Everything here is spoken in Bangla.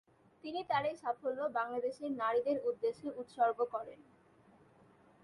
তিনি তার এই সাফল্য বাংলাদেশের নারীদের উদ্দেশ্যে উৎসর্গ করেন।